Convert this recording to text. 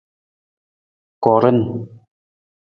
Koran.